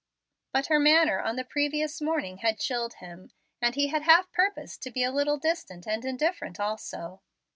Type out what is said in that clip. But her manner on the previous morning had chilled him, and he had half purposed to be a little distant and indifferent also.